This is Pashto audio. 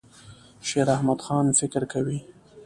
شیراحمدخان فکر کوي.